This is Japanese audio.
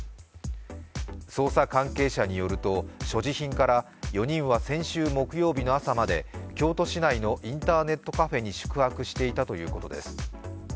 捜査関係者によると、所持品から４人は先週木曜日の朝まで京都市内のインターネットカフェに宿泊していたということです。